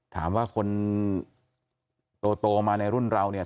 ถามว่าคนโตมาในรุ่นเราเนี่ย